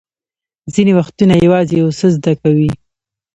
ځینې وختونه یوازې یو څه زده کوئ.